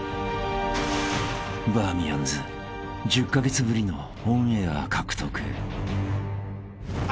［バーミヤンズ１０カ月ぶりのオンエア獲得］